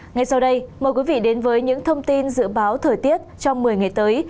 ngay sau đây mời quý vị đến với những thông tin dự báo thời tiết trong một mươi ngày tới